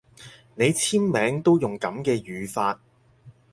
你簽名都用噉嘅語法